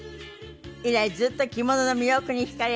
以来ずっと着物の魅力に惹かれ続け